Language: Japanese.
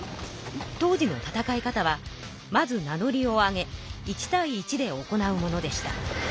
当時の戦い方はまず名のりを上げ１対１で行うものでした。